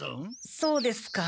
そうですか。